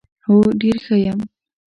هو ډېره ښه یم .